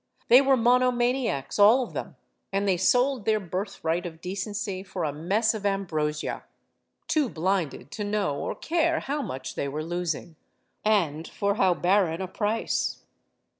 They were monomaniacs, all of them, and they sold their birthright of decency for a mess of ambrosia; too blinded to know or care how much they were losing, and for how barren a price.